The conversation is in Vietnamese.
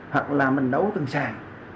hoặc là mình đấu từng sàn